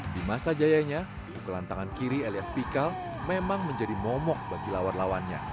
di masa jayanya pukulan tangan kiri elias pikal memang menjadi momok bagi lawan lawannya